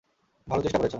ভালো চেষ্টা করেছ।